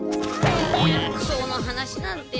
薬草の話なんて。